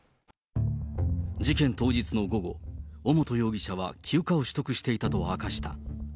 事件当日の午後、尾本容疑者は休暇を取得していたと明かした。